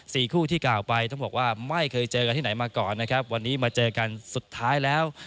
คู่ที่กล่าวไปต้องบอกว่าไม่เคยเจอกันที่ไหนมาก่อนนะครับวันนี้มาเจอกันสุดท้ายแล้ว